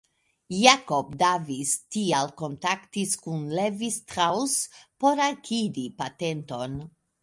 Jacob Davis tial kontaktis kun Levi Strauss por akiri patenton.